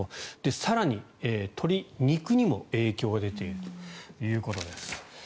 更に、鶏肉にも影響が出ているということです。